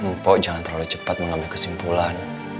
mpok jangan terlalu cepat mengambil kesimpulan